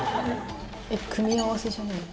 組み合わせじゃないの？